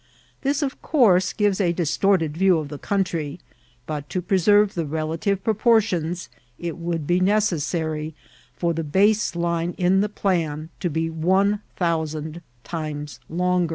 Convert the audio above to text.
This, of course, gives a distorted view of the country; but,^ to preserve the relative pto* portions, it would be necessary for the base line in the plan to be one thousand times long^.